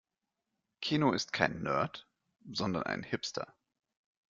Keno ist kein Nerd, sondern ein Hipster.